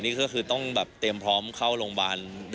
นี่ก็คือต้องแบบเตรียมพร้อมเข้าโรงพยาบาล